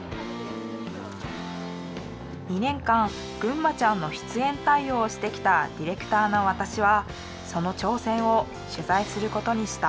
２年間ぐんまちゃんの出演対応をしてきたディレクターの私はその挑戦を取材することにした。